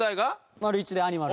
「マル１」でアニマル。